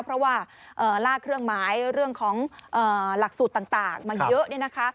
เพราะว่าลากเครื่องหมายเรื่องของหลักสูตรต่างมาเยอะเนี่ยนะคะ